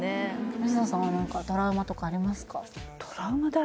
水野さんは何かトラウマとかありますか？